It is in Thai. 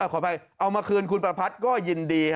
ขออภัยเอามาคืนคุณประพัทธ์ก็ยินดี